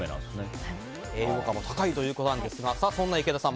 栄養価も高いということですがそんな池田さん